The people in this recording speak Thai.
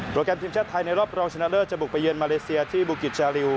แกรมทีมชาติไทยในรอบรองชนะเลิศจะบุกไปเยือนมาเลเซียที่บุกิจจาริว